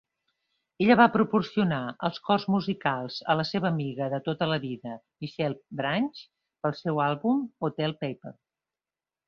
Ella va proporcionar els cors musicals a la seva amiga de tota la vida Michelle Branch pel seu àlbum "Hotel Paper".